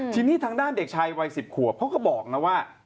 ทีนี้ทางด้านเด็กชายวัย๑๐ขวบเขาก็บอกนะว่า